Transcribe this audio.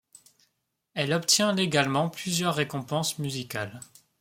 Elle obtient également plusieurs récompenses musicales.